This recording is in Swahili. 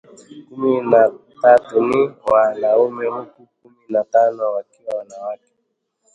kumi na tatu ni wanaume huku kumi na tano wakiwa wanawake